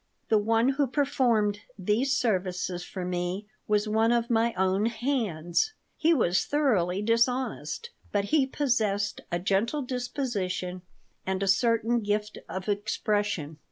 The one who performed these services for me was one of my own "hands." He was thoroughly dishonest, but he possessed a gentle disposition and a certain gift of expression.